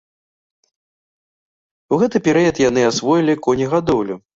У гэты перыяд яны асвоілі конегадоўлю.